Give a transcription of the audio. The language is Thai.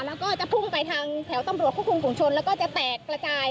แล้วก็จะพุ่งไปทางแถวตำรวจควบคุมฝุงชนแล้วก็จะแตกกระจาย